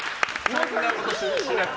そんなことしなくて。